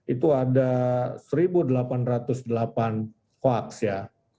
itu ada satu delapan ratus delapan hoax ya